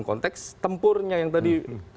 konteks tempurnya yang tadi